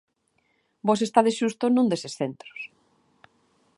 Vós estades xusto nun deses centros.